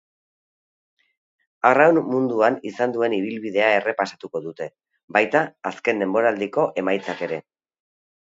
Arraun munduan izan duen ibilbidea errepasatuko dute, baita azken denboraldiko emaitzak ere.